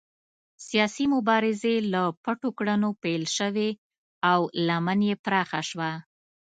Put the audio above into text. سیاسي مبارزې له پټو کړنو پیل شوې او لمن یې پراخه شوه.